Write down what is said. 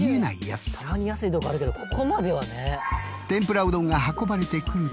たまに安いとこあるけどここまではね。